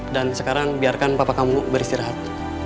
dan sekarang biarkan papa kamu beristirahat